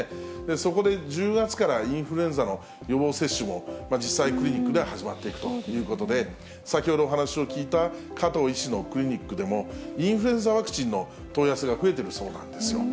そこで、１０月からインフルエンザの予防接種も実際、クリニックでは始まっていくということで、先ほどお話を聞いた加藤医師のクリニックでも、インフルエンザワクチンの問い合わせが増えているそうなんですよ。